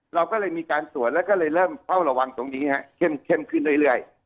เราก็เลยมีการตรวจแล้วก็เลยเริ่มเฝ้าระวังตรงนี้เข้มขึ้นเรื่อย